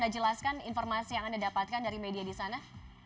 jelaskan informasi yang anda dapatkan dari media di sana